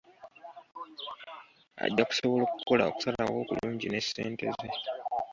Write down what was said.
Ajja kusobola okukola okusalawo okulungi ne ssente ze.